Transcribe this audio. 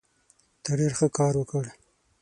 ته ډېر ښه کار وکړ.